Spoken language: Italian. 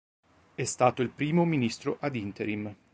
È stato primo ministro ad interim.